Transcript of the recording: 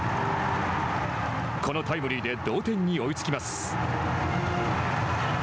このタイムリーで同点に追いつきます。